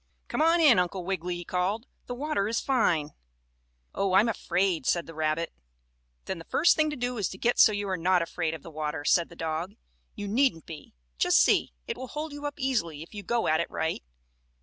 "Come on in, Uncle Wiggily," he called. "The water is fine." "Oh, I'm afraid!" said the rabbit. "Then the first thing to do is to get so you are not afraid of the water," said the dog. "You needn't be. Just see; it will hold you up easily if you go at it right.